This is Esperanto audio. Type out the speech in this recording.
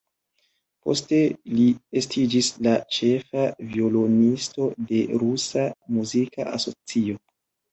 Poste li estiĝis la ĉefa violonisto de Rusa Muzika Asocio.